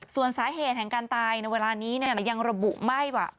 ส่วนสาเหตุแห่งการตายในเวลานี้ยังระบุไม่ว่า